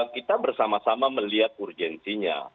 kita bersama sama melihat urgensinya